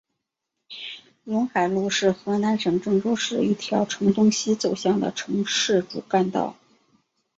陇海路是河南省郑州市一条呈东西走向的城市主干道。